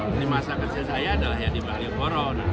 ini masakan saya adalah yang di malioboro